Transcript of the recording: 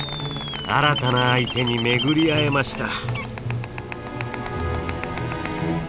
新たな相手に巡り合えました。